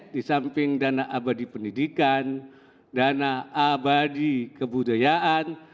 di samping dana abadi pendidikan dana abadi kebudayaan